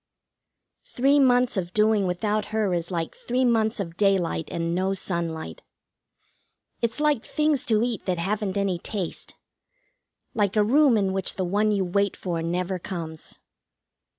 Three months of doing without her is like three months of daylight and no sunlight. It's like things to eat that haven't any taste; like a room in which the one you wait for never comes.